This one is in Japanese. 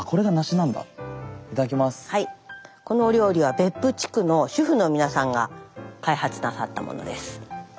このお料理は別府地区の主婦のみなさんが開発なさったものです。